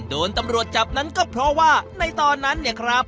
โดนตำรวจจับนั้นก็เพราะว่าในตอนนั้นเนี่ยครับ